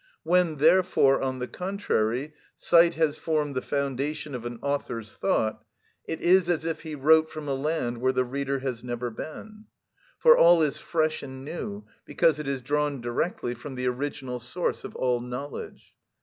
When, therefore, on the contrary, sight has formed the foundation of an author's thought, it is as if he wrote from a land where the reader has never been, for all is fresh and new, because it is drawn directly from the original source of all knowledge.